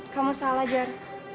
kamu salah jar